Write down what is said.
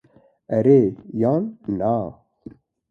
Erê yan na